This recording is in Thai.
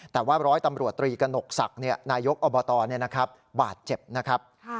แต่ว่าร้อยตำรวจตรีกระหนกศักดิ์นายกอบตบาดเจ็บนะครับ